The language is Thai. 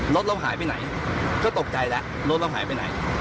รถเราหายไปไหนก็ตกใจแล้วรถเราหายไปไหน